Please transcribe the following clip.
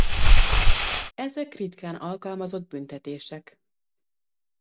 Ezek ritkán alkalmazott büntetések.